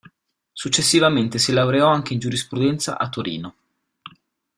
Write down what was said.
Successivamente si laureò anche in giurisprudenza a Torino.